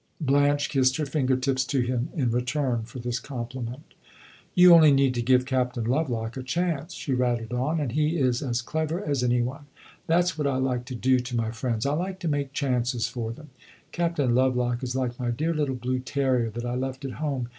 Blanche kissed her finger tips to him in return for this compliment. "You only need to give Captain Lovelock a chance," she rattled on, "and he is as clever as any one. That 's what I like to do to my friends I like to make chances for them. Captain Lovelock is like my dear little blue terrier that I left at home.